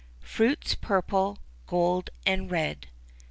Fruits purple, gold, and red.